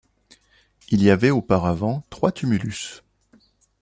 Il y avait auparavant trois tumulus.